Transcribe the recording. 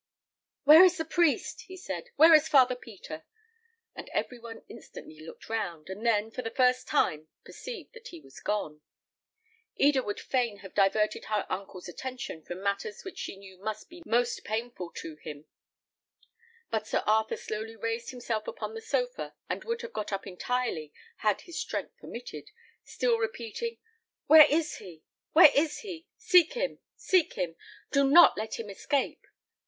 "Where is the priest?" he said. "Where is Father Peter?" And every one instantly looked round, and then, for the first time, perceived that he was gone. Eda would fain have diverted her uncle's attention from matters which she knew must be most painful to him; but Sir Arthur slowly raised himself upon the sofa, and would have got up entirely had his strength permitted, still repeating, "Where is he? where is he? Seek him, seek him! Do not let him escape!"